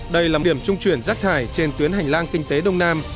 đây là điểm trung chuyển rác thải trên tuyến hành lang kinh tế đông nam